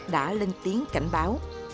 đã lên tiếng cảnh báo